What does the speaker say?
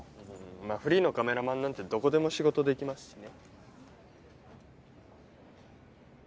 まあフリーのカメラマンなんてどこでも仕事できますしね